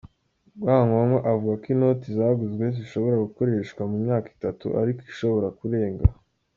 Rwangombwa avuga ko inoti zaguzwe zishobora gukoreshwa mu myaka itatu ariko ishobora kurenga.